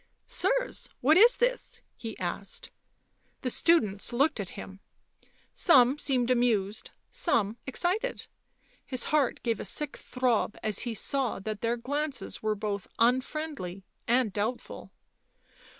" Sirs, what is this 1" he asked. The students looked at him; some seemed amused, some excited ; his heart gave a sick throb as he saw that their glances were both unfriendly and doubtful.